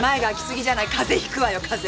風邪ひくわよ風邪。